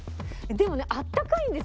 でもねあったかいんです。